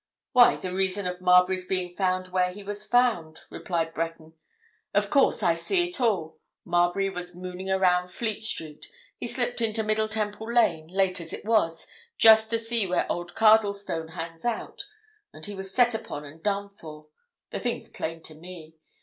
"Why, the reason of Marbury's being found where he was found," replied Breton. "Of course, I see it all! Marbury was mooning around Fleet Street; he slipped into Middle Temple Lane, late as it was, just to see where old Cardlestone hangs out, and he was set upon and done for. The thing's plain to me.